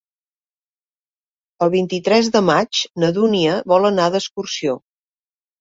El vint-i-tres de maig na Dúnia vol anar d'excursió.